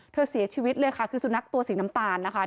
เสียชีวิตเลยค่ะคือสุนัขตัวสีน้ำตาลนะคะ